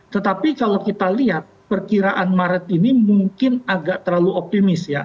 tetapi kalau kita lihat perkiraan maret ini mungkin agak terlalu optimis ya